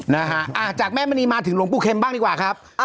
นะฮะอ่าจากแม่มณีมาถึงหลวงปู่เข็มบ้างดีกว่าครับ